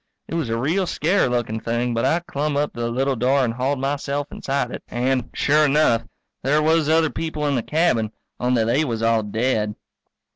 It was a real scarey lookin' thing but I clumb up to the little door and hauled myself inside it. And, sure enough, there was other people in the cabin, only they was all dead.